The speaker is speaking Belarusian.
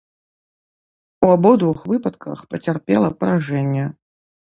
У абодвух выпадках пацярпела паражэнне.